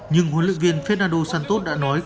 nhưng huấn luyện viên fernando santos đã nói